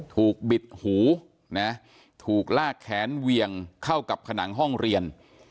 บิดหูนะถูกลากแขนเวียงเข้ากับผนังห้องเรียน